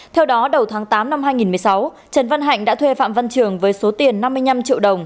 theo đó đầu tháng tám năm hai nghìn một mươi sáu trần văn hạnh đã thuê phạm văn trường với số tiền năm mươi năm triệu đồng